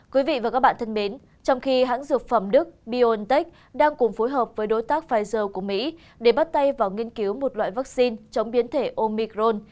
quý vị và các bạn thân mến trong khi hãng dược phẩm đức biontech đang cùng phối hợp với đối tác pfizer của mỹ để bắt tay vào nghiên cứu một loại vaccine chống biến thể omicron